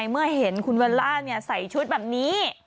เมื่อเห็นคุณเวนราบเนี่ยใส่ชุดแบบนี้